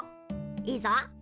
いいぞ。